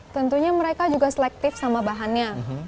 tentunya mereka juga selektif sama bahannya